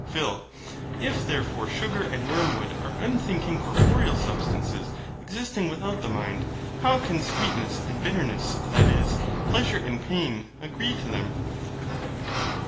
PHIL. If therefore sugar and wormwood are unthinking corporeal substances existing without the mind, how can sweetness and bitterness, that is, Pleasure and pain, agree to them?